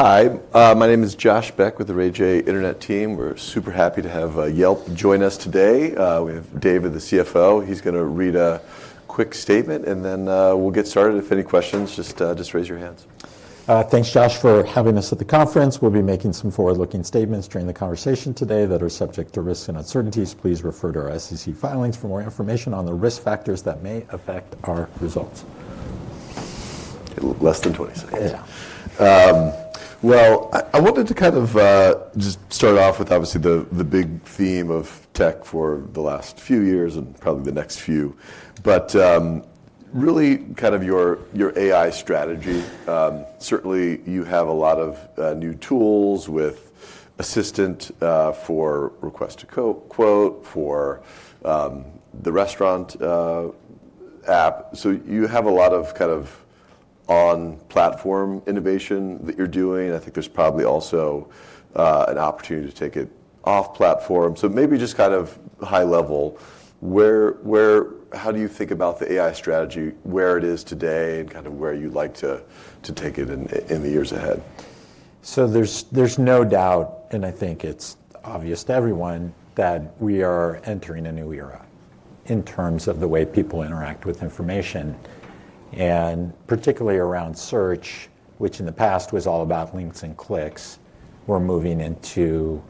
Hi, my name is Josh Beck with the Ray Jay Internet Team. We're super happy to have Yelp join us today. We have David, the CFO. He's going to read a quick statement, and then we'll get started. If any questions, just raise your hands. Thanks, Josh, for having us at the conference. We'll be making some forward-looking statements during the conversation today that are subject to risks and uncertainties. Please refer to our SEC filings for more information on the risk factors that may affect our results. Less than 20 seconds. Well, I wanted to kind of just start off with, obviously, the big theme of tech for the last few years and probably the next few, but really kind of your AI strategy. Certainly, you have a lot of new tools with Assistant for Request a Quote, for the restaurant app. So you have a lot of kind of on-platform innovation that you're doing. I think there's probably also an opportunity to take it off-platform. So maybe just kind of high level, how do you think about the AI strategy, where it is today, and kind of where you'd like to take it in the years ahead? There's no doubt, and I think it's obvious to everyone, that we are entering a new era in terms of the way people interact with information. Particularly around search, which in the past was all about links and clicks, we're moving into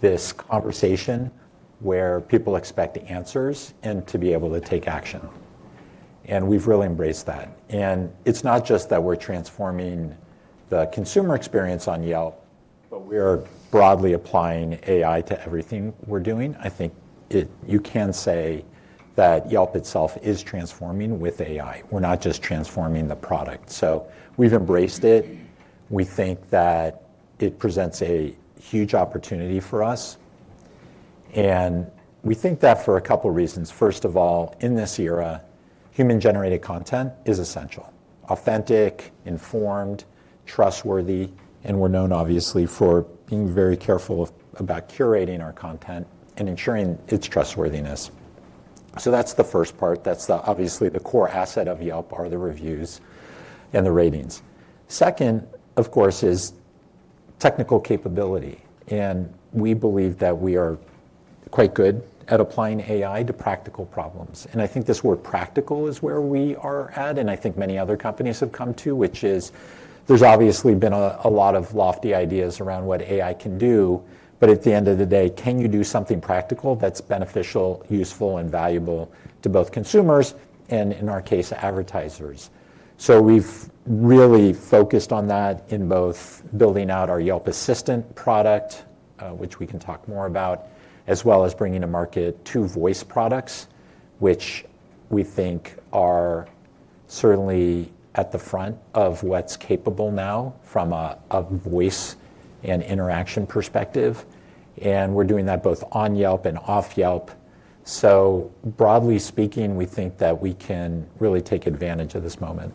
this conversation where people expect answers and to be able to take action. We've really embraced that. It's not just that we're transforming the consumer experience on Yelp, but we're broadly applying AI to everything we're doing. I think you can say that Yelp itself is transforming with AI. We're not just transforming the product. We've embraced it. We think that it presents a huge opportunity for us. We think that for a couple of reasons. First of all, in this era, human-generated content is essential: authentic, informed, trustworthy. And we're known, obviously, for being very careful about curating our content and ensuring its trustworthiness. So that's the first part. That's obviously the core asset of Yelp, are the reviews and the ratings. Second, of course, is technical capability. And we believe that we are quite good at applying AI to practical problems. And I think this word "practical" is where we are at, and I think many other companies have come to, which is there's obviously been a lot of lofty ideas around what AI can do. But at the end of the day, can you do something practical that's beneficial, useful, and valuable to both consumers and, in our case, advertisers? So we've really focused on that in both building out our Yelp Assistant product, which we can talk more about, as well as bringing to market two voice products, which we think are certainly at the front of what's capable now from a voice and interaction perspective. And we're doing that both on Yelp and off Yelp. So broadly speaking, we think that we can really take advantage of this moment.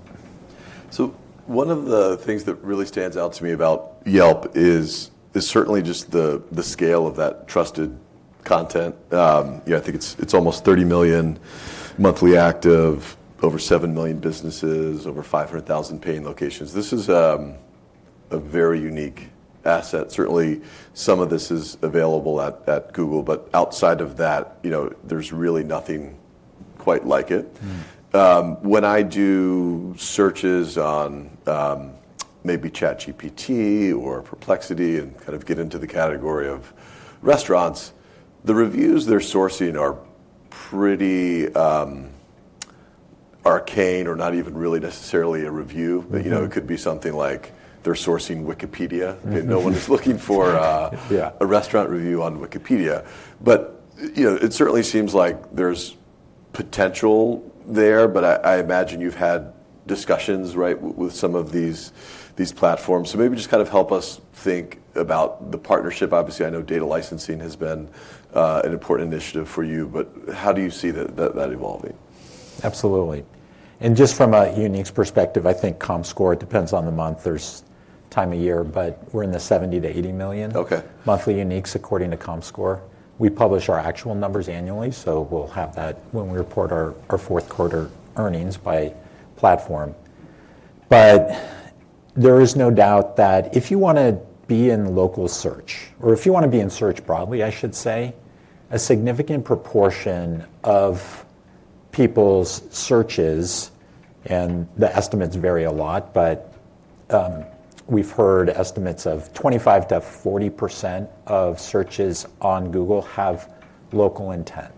So one of the things that really stands out to me about Yelp is certainly just the scale of that trusted content. I think it's almost 30 million monthly active, over 7 million businesses, over 500,000 paying locations. This is a very unique asset. Certainly, some of this is available at Google, but outside of that, there's really nothing quite like it. When I do searches on maybe ChatGPT or Perplexity and kind of get into the category of restaurants, the reviews they're sourcing are pretty arcane or not even really necessarily a review. It could be something like they're sourcing Wikipedia. No one is looking for a restaurant review on Wikipedia. But it certainly seems like there's potential there. But I imagine you've had discussions with some of these platforms. So maybe just kind of help us think about the partnership. Obviously, I know data licensing has been an important initiative for you, but how do you see that evolving? Absolutely. And just from a unique perspective, I think Comscore depends on the month or time of year, but we're in the 70-80 million monthly uniques according to Comscore. We publish our actual numbers annually, so we'll have that when we report our fourth-quarter earnings by platform. But there is no doubt that if you want to be in local search, or if you want to be in search broadly, I should say, a significant proportion of people's searches, and the estimates vary a lot, but we've heard estimates of 25%-40% of searches on Google have local intent.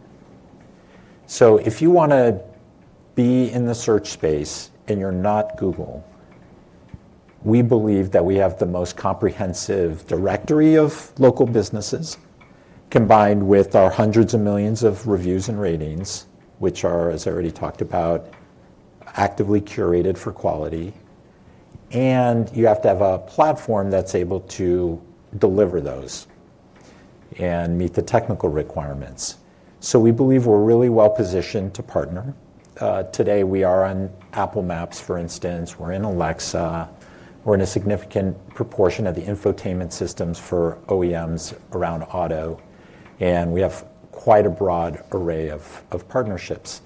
So if you want to be in the search space and you're not Google, we believe that we have the most comprehensive directory of local businesses combined with our hundreds of millions of reviews and ratings, which are, as I already talked about, actively curated for quality. And you have to have a platform that's able to deliver those and meet the technical requirements. So we believe we're really well positioned to partner. Today, we are on Apple Maps, for instance. We're in Alexa. We're in a significant proportion of the infotainment systems for OEMs around auto. And we have quite a broad array of partnerships.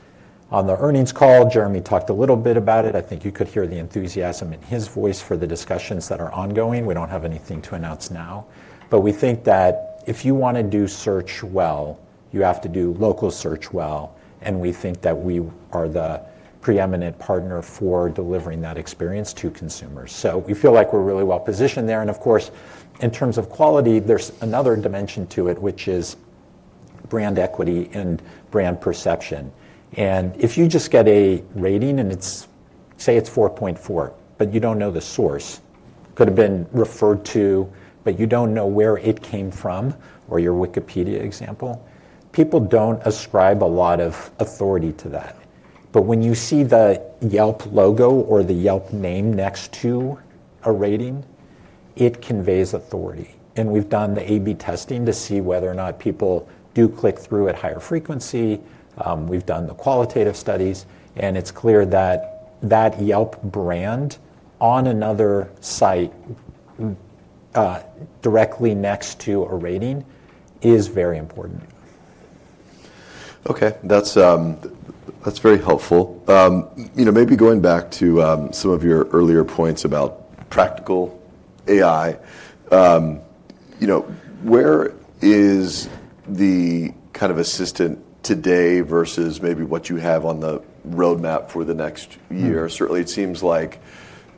On the earnings call, Jeremy talked a little bit about it. I think you could hear the enthusiasm in his voice for the discussions that are ongoing. We don't have anything to announce now. But we think that if you want to do search well, you have to do local search well. And we think that we are the preeminent partner for delivering that experience to consumers. So we feel like we're really well positioned there. Of course, in terms of quality, there's another dimension to it, which is brand equity and brand perception. If you just get a rating and say it's 4.4, but you don't know the source, could have been referred to, but you don't know where it came from or your Wikipedia example, people don't ascribe a lot of authority to that. But when you see the Yelp logo or the Yelp name next to a rating, it conveys authority. We've done the A/B testing to see whether or not people do click through at higher frequency. We've done the qualitative studies. It's clear that that Yelp brand on another site directly next to a rating is very important. OK, that's very helpful. Maybe going back to some of your earlier points about practical AI, where is the kind of assistant today versus maybe what you have on the roadmap for the next year? Certainly, it seems like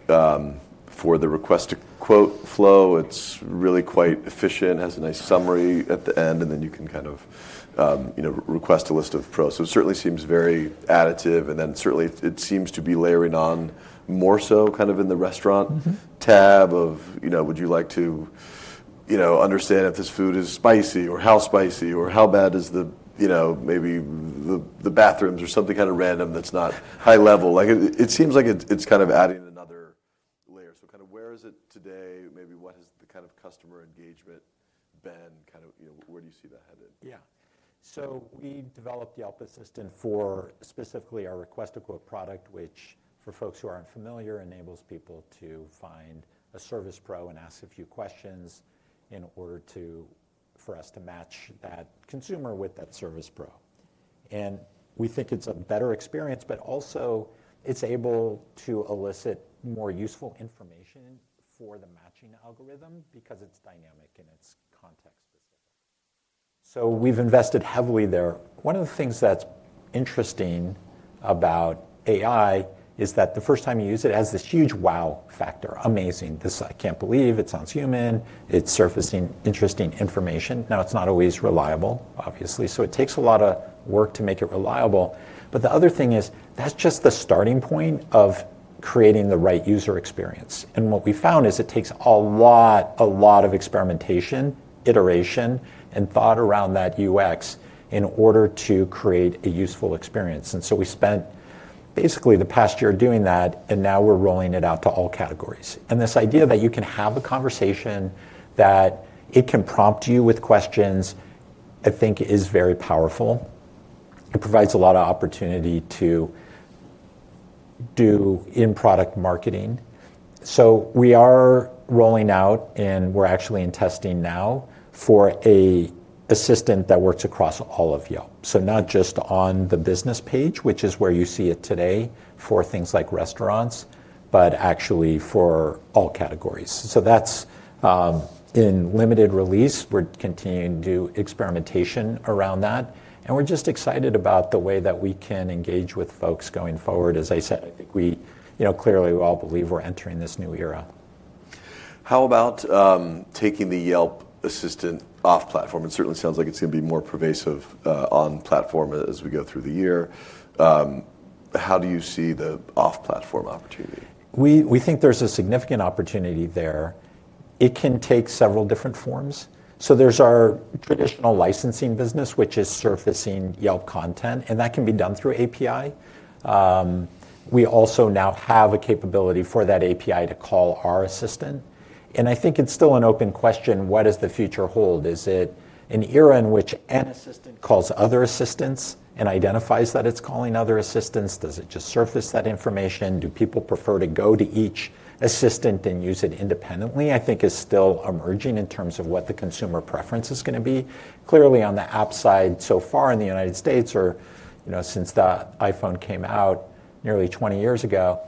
for the Request a Quote flow, it's really quite efficient. It has a nice summary at the end, and then you can kind of request a list of pros. So it certainly seems very additive. And then certainly, it seems to be layering on more so kind of in the restaurant tab of, would you like to understand if this food is spicy, or how spicy, or how bad is maybe the bathrooms, or something kind of random that's not high level. It seems like it's kind of adding another layer. So kind of where is it today? Maybe what has the kind of customer engagement been? Kind of where do you see that headed? Yeah. So we developed Yelp Assistant for specifically our Request a Quote product, which, for folks who aren't familiar, enables people to find a service pro and ask a few questions in order for us to match that consumer with that service pro. And we think it's a better experience, but also it's able to elicit more useful information for the matching algorithm because it's dynamic and it's context-. So we've invested heavily there. One of the things that's interesting about AI is that the first time you use it, it has this huge wow factor. Amazing. I can't believe it sounds human. It's surfacing interesting information. Now, it's not always reliable, obviously. So it takes a lot of work to make it reliable. But the other thing is that's just the starting point of creating the right user experience. What we found is it takes a lot, a lot of experimentation, iteration, and thought around that UX in order to create a useful experience. We spent basically the past year doing that, and now we're rolling it out to all categories. This idea that you can have a conversation, that it can prompt you with questions, I think is very powerful. It provides a lot of opportunity to do in-product marketing. We are rolling out, and we're actually in testing now for an assistant that works across all of Yelp. Not just on the business page, which is where you see it today for things like restaurants, but actually for all categories. That's in limited release. We're continuing to do experimentation around that. We're just excited about the way that we can engage with folks going forward. As I said, I think we clearly all believe we're entering this new era. How about taking the Yelp Assistant off-platform? It certainly sounds like it's going to be more pervasive on-platform as we go through the year. How do you see the off-platform opportunity? We think there's a significant opportunity there. It can take several different forms. So there's our traditional licensing business, which is surfacing Yelp content. And that can be done through API. We also now have a capability for that API to call our assistant. And I think it's still an open question. What does the future hold? Is it an era in which an assistant calls other assistants and identifies that it's calling other assistants? Does it just surface that information? Do people prefer to go to each assistant and use it independently? I think it is still emerging in terms of what the consumer preference is going to be. Clearly, on the app side so far in the United States, or since the iPhone came out nearly 20 years ago,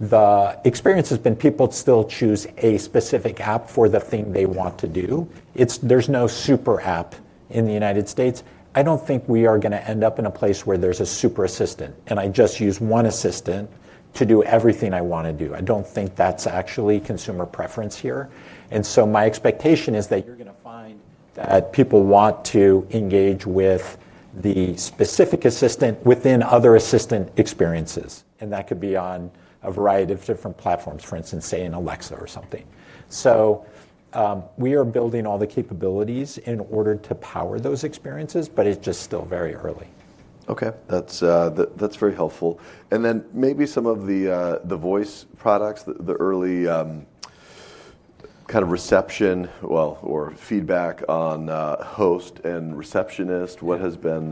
the experience has been people still choose a specific app for the thing they want to do. There's no super app in the United States. I don't think we are going to end up in a place where there's a super assistant. And I just use one assistant to do everything I want to do. I don't think that's actually consumer preference here. And so my expectation is that you're going to find that people want to engage with the specific assistant within other assistant experiences. And that could be on a variety of different platforms, for instance, say, in Alexa or something. So we are building all the capabilities in order to power those experiences, but it's just still very early. OK, that's very helpful. And then maybe some of the voice products, the early kind of reception, well, or feedback on Host and Receptionist, what has been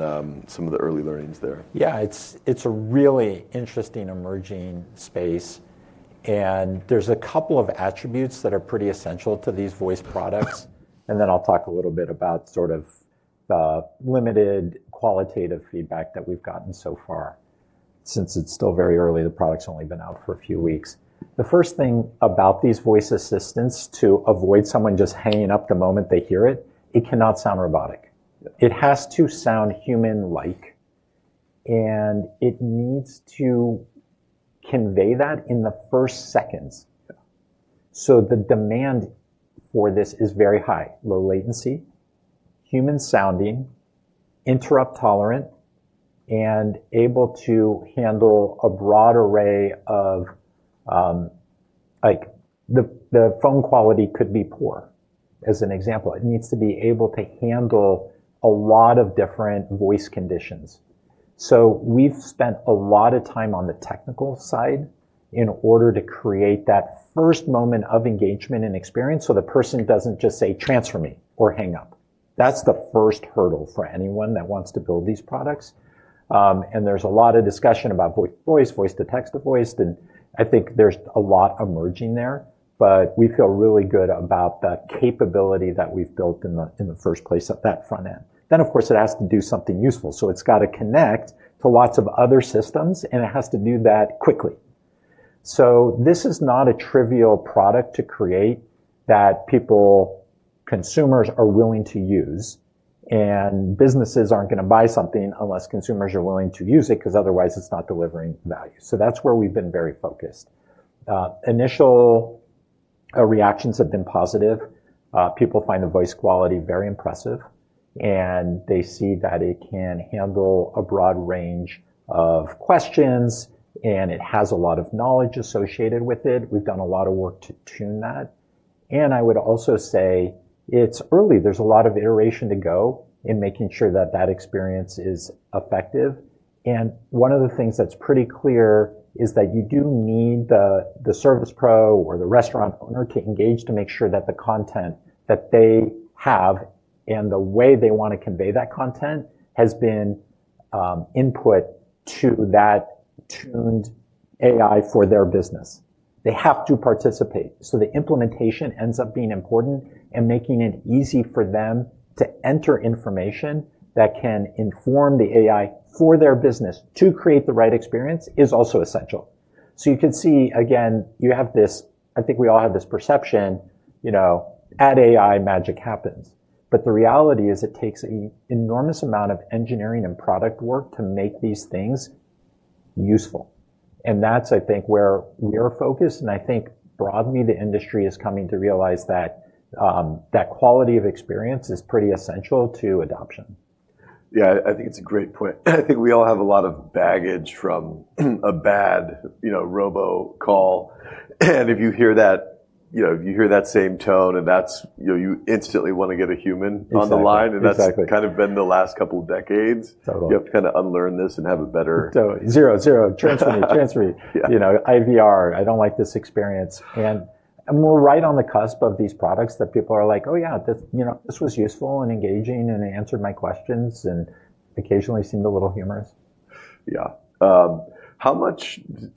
some of the early learnings there? Yeah, it's a really interesting emerging space. And there's a couple of attributes that are pretty essential to these voice products. And then I'll talk a little bit about sort of the limited qualitative feedback that we've gotten so far. Since it's still very early, the product's only been out for a few weeks. The first thing about these voice assistants, to avoid someone just hanging up the moment they hear it, it cannot sound robotic. It has to sound human-like. And it needs to convey that in the first seconds. So the demand for this is very high: low latency, human-sounding, interrupt-tolerant, and able to handle a broad array of the phone quality could be poor, as an example. It needs to be able to handle a lot of different voice conditions. So we've spent a lot of time on the technical side in order to create that first moment of engagement and experience so the person doesn't just say, "Transfer me," or "Hang up." That's the first hurdle for anyone that wants to build these products. And there's a lot of discussion about voice-to-voice, voice-to-text-to-voice. And I think there's a lot emerging there. But we feel really good about that capability that we've built in the first place at that front end. Then, of course, it has to do something useful. So it's got to connect to lots of other systems, and it has to do that quickly. So this is not a trivial product to create that people, consumers, are willing to use. And businesses aren't going to buy something unless consumers are willing to use it because otherwise it's not delivering value. So that's where we've been very focused. Initial reactions have been positive. People find the voice quality very impressive, and they see that it can handle a broad range of questions, and it has a lot of knowledge associated with it. We've done a lot of work to tune that, and I would also say it's early. There's a lot of iteration to go in making sure that that experience is effective, and one of the things that's pretty clear is that you do need the service pro or the restaurant owner to engage to make sure that the content that they have and the way they want to convey that content has been input to that tuned AI for their business. They have to participate. So the implementation ends up being important and making it easy for them to enter information that can inform the AI for their business to create the right experience is also essential. So you can see, again, you have this I think we all have this perception, "Add AI, magic happens." But the reality is it takes an enormous amount of engineering and product work to make these things useful. And that's, I think, where we are focused. And I think broadly, the industry is coming to realize that that quality of experience is pretty essential to adoption. Yeah, I think it's a great point. I think we all have a lot of baggage from a bad robo call. And if you hear that, if you hear that same tone, you instantly want to get a human on the line. And that's kind of been the last couple of decades. You have to kind of unlearn this and have a better. Zero, zero. Transfer me, transfer me. IVR, I don't like this experience. And we're right on the cusp of these products that people are like, "Oh, yeah, this was useful and engaging and answered my questions and occasionally seemed a little humorous. Yeah. To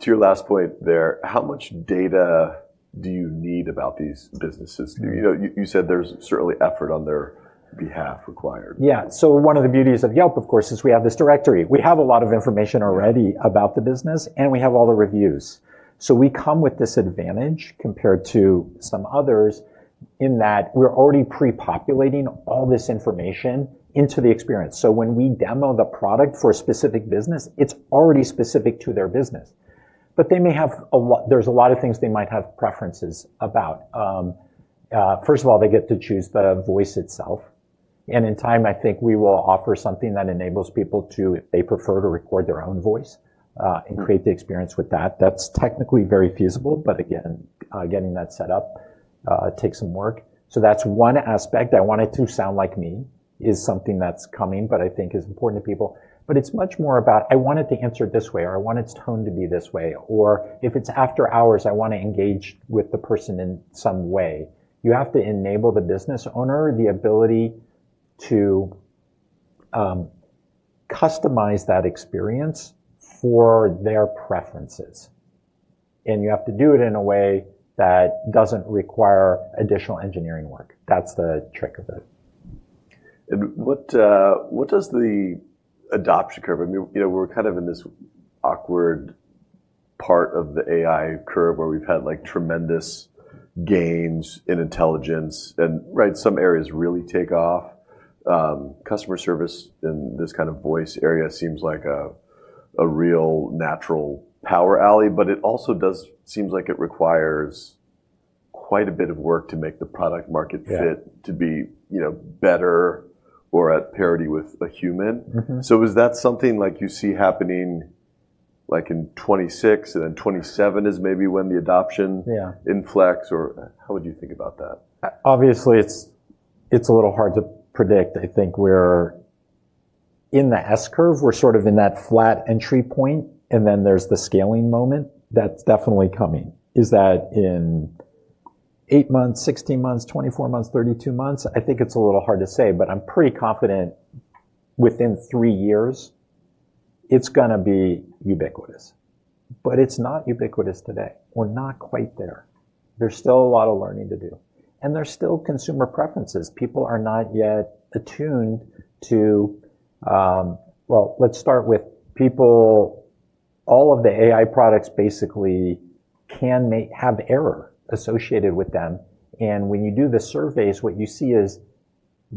your last point there, how much data do you need about these businesses? You said there's certainly effort on their behalf required. Yeah. So one of the beauties of Yelp, of course, is we have this directory. We have a lot of information already about the business, and we have all the reviews. So we come with this advantage compared to some others in that we're already pre-populating all this information into the experience. So when we demo the product for a specific business, it's already specific to their business. But there's a lot of things they might have preferences about. First of all, they get to choose the voice itself. And in time, I think we will offer something that enables people to, if they prefer to record their own voice and create the experience with that. That's technically very feasible. But again, getting that set up takes some work. So that's one aspect. I want it to sound like me" is something that's coming, but I think it's important to people, but it's much more about, "I want it to answer this way," or, "I want its tone to be this way," or, "If it's after hours, I want to engage with the person in some way." You have to enable the business owner the ability to customize that experience for their preferences, and you have to do it in a way that doesn't require additional engineering work. That's the trick of it. What does the adoption curve? We're kind of in this awkward part of the AI curve where we've had tremendous gains in intelligence, and some areas really take off. Customer service in this kind of voice area seems like a real natural power alley, but it also does seem like it requires quite a bit of work to make the product-market fit to be better or at parity with a human, so is that something you see happening in 2026? And then 2027 is maybe when the adoption inflects, or how would you think about that? Obviously, it's a little hard to predict. I think in the S-curve, we're sort of in that flat entry point. And then there's the scaling moment that's definitely coming. Is that in eight months, 16 months, 24 months, 32 months? I think it's a little hard to say. But I'm pretty confident within three years, it's going to be ubiquitous. But it's not ubiquitous today. We're not quite there. There's still a lot of learning to do. And there's still consumer preferences. People are not yet attuned to, well, let's start with people. All of the AI products basically can have error associated with them. And when you do the surveys, what you see is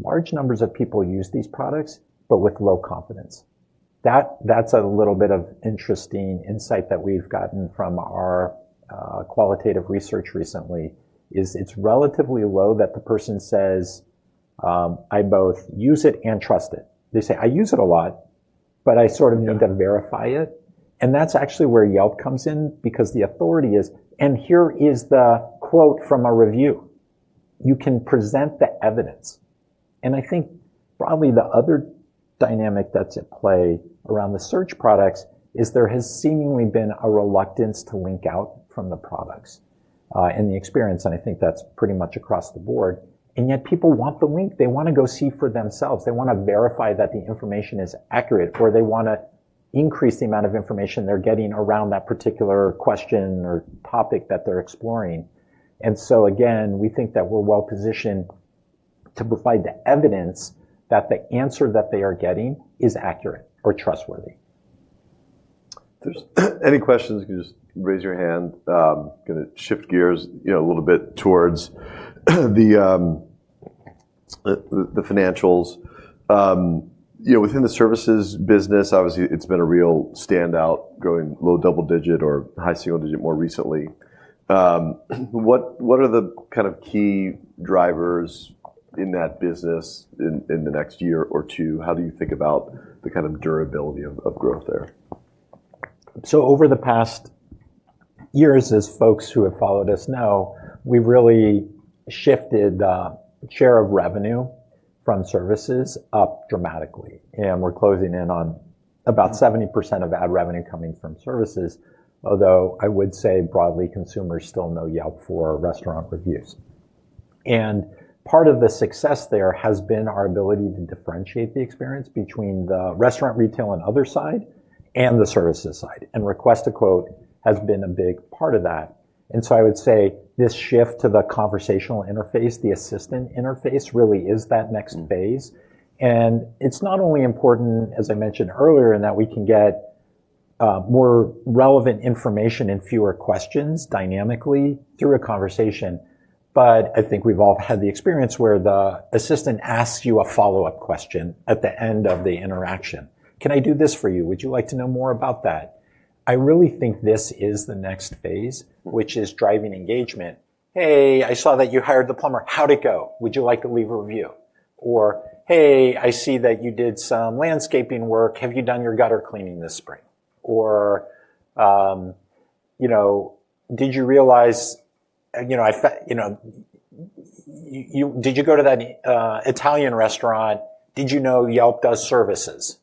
large numbers of people use these products, but with low confidence. That's a little bit of interesting insight that we've gotten from our qualitative research recently. It's relatively low that the person says, "I both use it and trust it." They say, "I use it a lot, but I sort of need to verify it." And that's actually where Yelp comes in because the authority is, and here is the quote from a review. You can present the evidence. And I think probably the other dynamic that's at play around the search products is there has seemingly been a reluctance to link out from the products in the experience. And I think that's pretty much across the board. And yet people want the link. They want to go see for themselves. They want to verify that the information is accurate, or they want to increase the amount of information they're getting around that particular question or topic that they're exploring. And so again, we think that we're well-positioned to provide the evidence that the answer that they are getting is accurate or trustworthy. If there's any questions, just raise your hand. I'm going to shift gears a little bit towards the financials. Within the services business, obviously, it's been a real standout, going low double digit or high single digit more recently. What are the kind of key drivers in that business in the next year or two? How do you think about the kind of durability of growth there? Over the past years, as folks who have followed us know, we've really shifted the share of revenue from services up dramatically. We're closing in on about 70% of ad revenue coming from services, although I would say broadly, consumers still know Yelp for restaurant reviews. Part of the success there has been our ability to differentiate the experience between the Restaurants, Retail, and Other side and the Services side. Request a Quote has been a big part of that. I would say this shift to the conversational interface, the assistant interface, really is that next phase. It's not only important, as I mentioned earlier, in that we can get more relevant information and fewer questions dynamically through a conversation. I think we've all had the experience where the assistant asks you a follow-up question at the end of the interaction. Can I do this for you? Would you like to know more about that?" I really think this is the next phase, which is driving engagement. "Hey, I saw that you hired the plumber. How'd it go? Would you like to leave a review?" Or, "Hey, I see that you did some landscaping work. Have you done your gutter cleaning this spring?" Or, "Did you realize did you go to that Italian restaurant? Did you know Yelp does services?"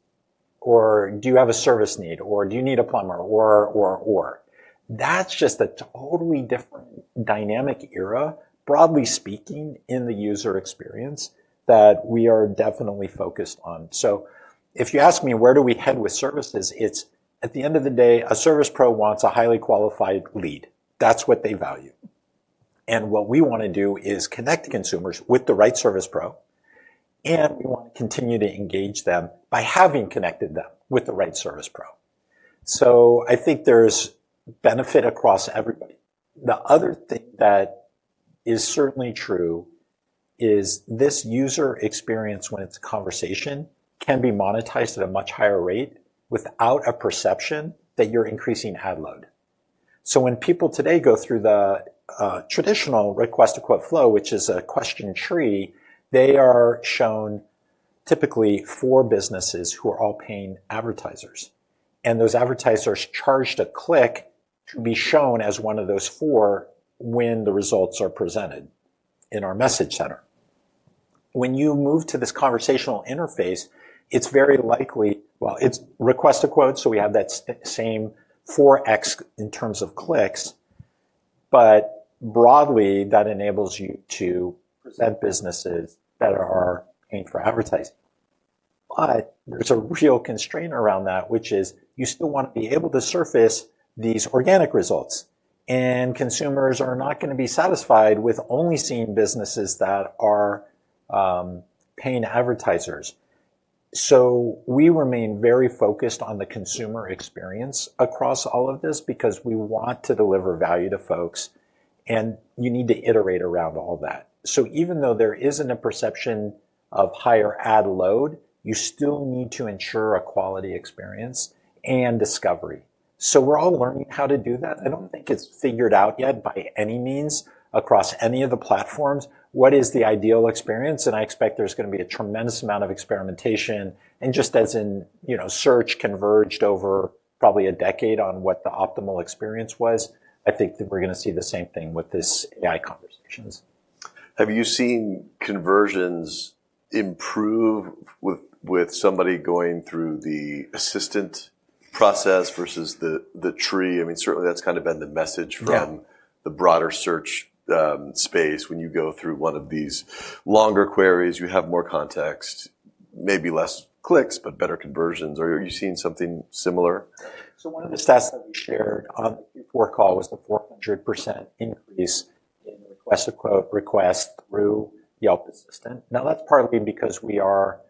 Or, "Do you have a service need?" Or, "Do you need a plumber?" Or, or, or. That's just a totally different dynamic era, broadly speaking, in the user experience that we are definitely focused on. So if you ask me, where do we head with services, it's at the end of the day, a service pro wants a highly qualified lead. That's what they value. What we want to do is connect consumers with the right service pro. We want to continue to engage them by having connected them with the right service pro. So I think there's benefit across everybody. The other thing that is certainly true is this user experience when it's a conversation can be monetized at a much higher rate without a perception that you're increasing ad load. So when people today go through the traditional Request a Quote flow, which is a question tree, they are shown typically four businesses who are all paying advertisers. Those advertisers charge to click to be shown as one of those four when the results are presented in our Message Center. When you move to this conversational interface, it's very likely. Well, it's Request a Quote. So we have that same 4x in terms of clicks. But broadly, that enables you to present businesses that are paying for advertising. But there's a real constraint around that, which is you still want to be able to surface these organic results. And consumers are not going to be satisfied with only seeing businesses that are paying advertisers. So we remain very focused on the consumer experience across all of this because we want to deliver value to folks. And you need to iterate around all that. So even though there isn't a perception of higher ad load, you still need to ensure a quality experience and discovery. So we're all learning how to do that. I don't think it's figured out yet by any means across any of the platforms what is the ideal experience. And I expect there's going to be a tremendous amount of experimentation. Just as in search converged over probably a decade on what the optimal experience was, I think that we're going to see the same thing with this AI conversations. Have you seen conversions improve with somebody going through the assistant process versus the tree? I mean, certainly, that's kind of been the message from the broader search space. When you go through one of these longer queries, you have more context, maybe less clicks, but better conversions. Are you seeing something similar? So one of the stats that we shared on the Q4 call was the 400% increase in Request a Quote requests through Yelp Assistant. Now, that's partly because we are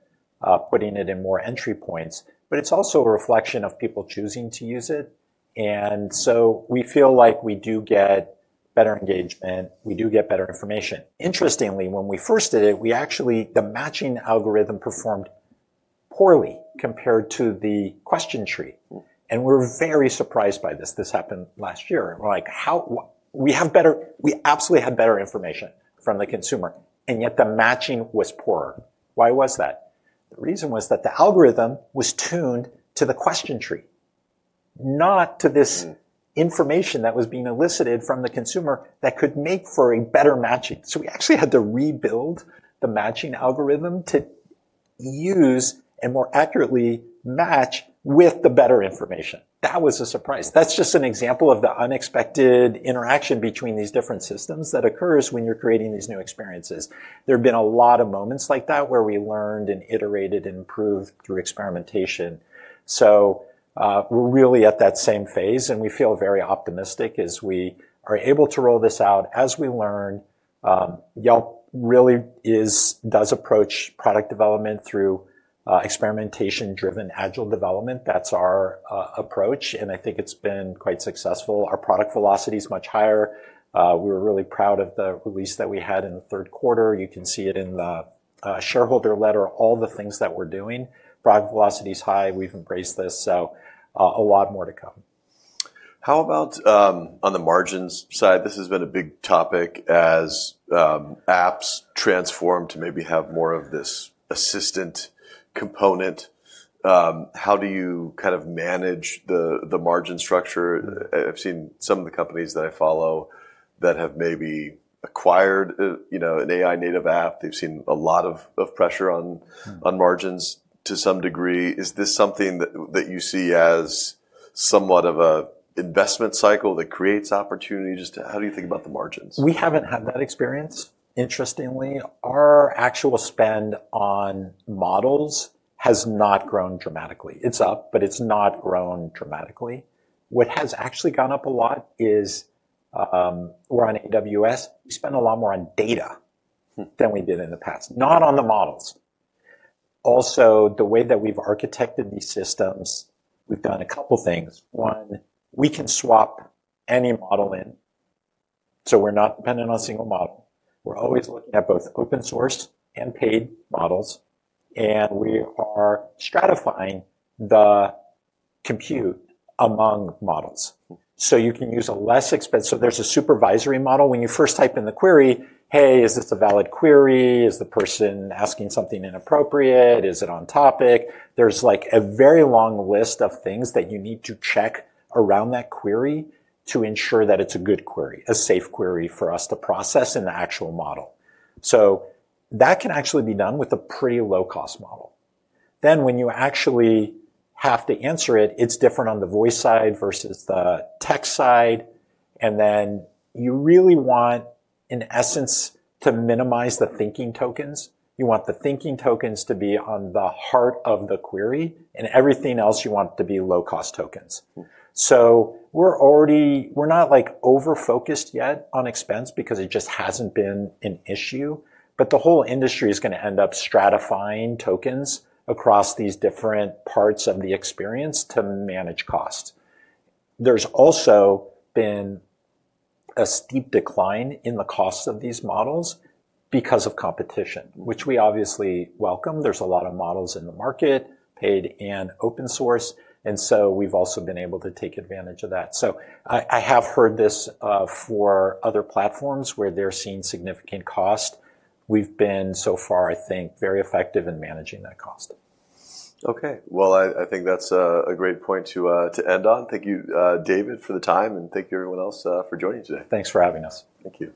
putting it in more entry points. But it's also a reflection of people choosing to use it. And so we feel like we do get better engagement. We do get better information. Interestingly, when we first did it, the matching algorithm performed poorly compared to the question tree. And we're very surprised by this. This happened last year. We absolutely had better information from the consumer. And yet the matching was poorer. Why was that? The reason was that the algorithm was tuned to the question tree, not to this information that was being elicited from the consumer that could make for a better matching. So we actually had to rebuild the matching algorithm to use and more accurately match with the better information. That was a surprise. That's just an example of the unexpected interaction between these different systems that occurs when you're creating these new experiences. There have been a lot of moments like that where we learned and iterated and improved through experimentation. So we're really at that same phase. And we feel very optimistic as we are able to roll this out, as we learn. Yelp really does approach product development through experimentation-driven agile development. That's our approach. And I think it's been quite successful. Our product velocity is much higher. We were really proud of the release that we had in the third quarter. You can see it in the shareholder letter, all the things that we're doing. Product velocity is high. We've embraced this. So a lot more to come. How about on the margins side? This has been a big topic as apps transform to maybe have more of this assistant component. How do you kind of manage the margin structure? I've seen some of the companies that I follow that have maybe acquired an AI-native app. They've seen a lot of pressure on margins to some degree. Is this something that you see as somewhat of an investment cycle that creates opportunities? How do you think about the margins? We haven't had that experience. Interestingly, our actual spend on models has not grown dramatically. It's up, but it's not grown dramatically. What has actually gone up a lot is we're on AWS. We spend a lot more on data than we did in the past, not on the models. Also, the way that we've architected these systems, we've done a couple of things. One, we can swap any model in. So we're not dependent on a single model. We're always looking at both open-source and paid models. And we are stratifying the compute among models. So you can use a less expensive so there's a supervisory model. When you first type in the query, "Hey, is this a valid query? Is the person asking something inappropriate? Is it on topic?" There's a very long list of things that you need to check around that query to ensure that it's a good query, a safe query for us to process in the actual model. So that can actually be done with a pretty low-cost model. Then when you actually have to answer it, it's different on the voice side versus the text side, and then you really want, in essence, to minimize the thinking tokens. You want the thinking tokens to be on the heart of the query, and everything else, you want to be low-cost tokens, so we're not over-focused yet on expense because it just hasn't been an issue, but the whole industry is going to end up stratifying tokens across these different parts of the experience to manage cost. There's also been a steep decline in the costs of these models because of competition, which we obviously welcome. There's a lot of models in the market, paid and open-source, and so we've also been able to take advantage of that, so I have heard this for other platforms where they're seeing significant cost. We've been so far, I think, very effective in managing that cost. OK. I think that's a great point to end on. Thank you, David, for the time. Thank you, everyone else, for joining today. Thanks for having us. Thank you.